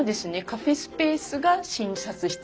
カフェスペースが診察室。